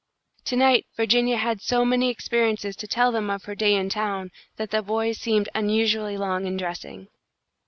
To night Virginia had so many experiences to tell them of her day in town that the boys seemed unusually long in dressing.